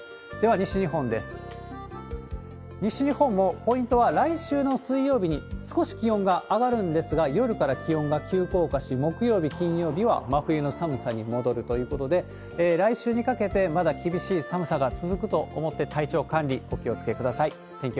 西日本もポイントは、来週の水曜日に、少し気温が上がるんですが、夜から気温が急降下し、木曜日、金曜日は真冬の寒さに戻るということで、来週にかけて、まだ厳しい寒さが続くと思って、体調管理、お気をつけください。